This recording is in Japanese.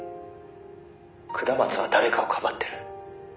「下松は誰かをかばってる」